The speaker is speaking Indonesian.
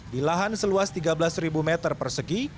di lahan seluas tiga belas meter persegi